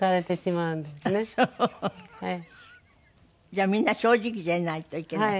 じゃあみんな正直でいないといけない？